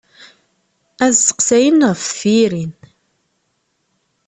Ad seqsayen ɣef tefyirin.